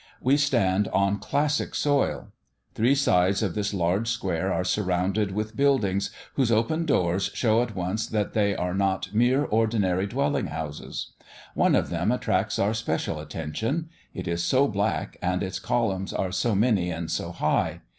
We stand on classic soil. Three sides of this large square are surrounded with buildings, whose open doors shew at once that they are not mere ordinary dwelling houses. One of them attracts our special attention; it is so black and its columns are so many and so high.